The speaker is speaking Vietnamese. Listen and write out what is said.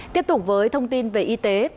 tiếp tục với thông tin về y tế